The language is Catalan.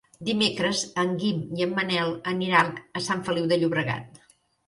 Dimecres en Guim i en Manel aniran a Sant Feliu de Llobregat.